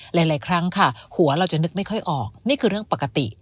หลายครั้งค่ะหัวเราจะนึกไม่ค่อยออกนี่คือเรื่องปกติ